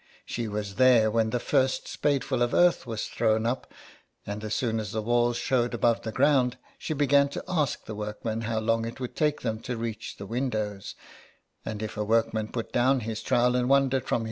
She was there when the first spadeful of earth was thrown up, and as soon as the walls showed above the ground she began to ask the workmen how long it would take them to reach the windows, and if a workman put down his trowel and wandered from 93 SOME PARISHIONERS.